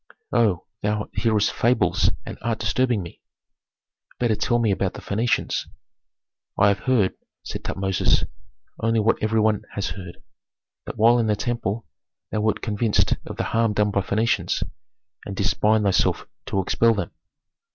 "Oh, thou hearest fables and art disturbing me. Better tell me about the Phœnicians." "I have heard," said Tutmosis, "only what every one has heard, that while in the temple thou wert convinced of the harm done by Phœnicians, and didst bind thyself to expel them."